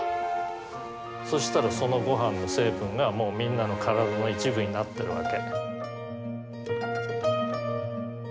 そしたらそのごはんの成分がもうみんなの体の一部になってるわけ。